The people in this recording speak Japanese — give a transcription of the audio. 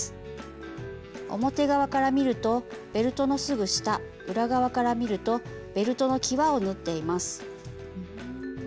表側から見るとベルトのすぐ下裏側から見るとベルトのきわを縫っています。